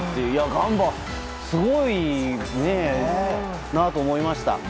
ガンバ、すごいなと思いました。